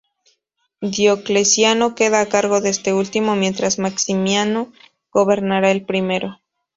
Diocleciano queda a cargo de este último, mientras Maximiano gobernará el primero.